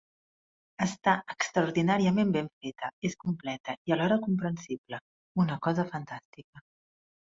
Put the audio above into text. Està extraordinàriament ben feta, és completa i alhora comprensible: una cosa fantàstica.